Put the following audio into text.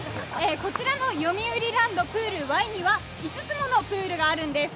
こちらのよみうりランドプールＷＡＩには５つものプールがあるんです。